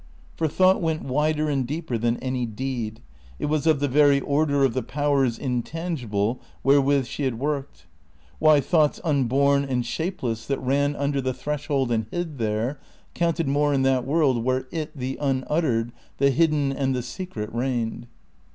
For thought went wider and deeper than any deed; it was of the very order of the Powers intangible wherewith she had worked. Why, thoughts unborn and shapeless, that ran under the threshold and hid there, counted more in that world where It, the Unuttered, the Hidden and the Secret, reigned.